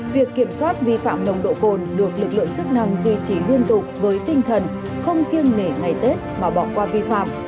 việc kiểm soát vi phạm nồng độ cồn được lực lượng chức năng duy trì liên tục với tinh thần không kiêng nể ngày tết mà bỏ qua vi phạm